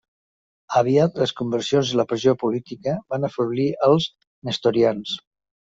Aviat les conversions i la pressió política van afeblir als nestorians.